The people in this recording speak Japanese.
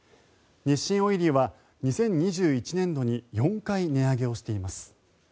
日清オイリオは２０２１年度に４回値上げをしています。